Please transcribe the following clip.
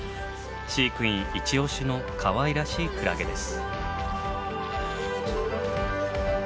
飼育員イチオシのかわいらしいクラゲです。